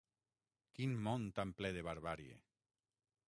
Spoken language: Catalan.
Quin món tan ple de barbàrie!